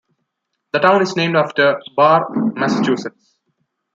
The town is named after Barre, Massachusetts.